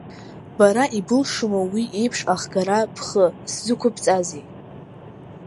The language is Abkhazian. Бара ибылшома уи еиԥш ахгара, бхы зсықәыбҵазеи?